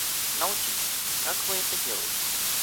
Научите, как вы это делаете?